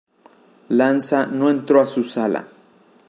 Lanza no entró a su sala.